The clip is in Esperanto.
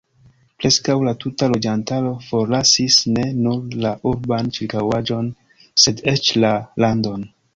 Preskaŭ la tuta loĝantaro forlasis ne nur la urban ĉirkaŭaĵon, sed eĉ la landon.